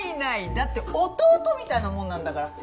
だって弟みたいなもんなんだから。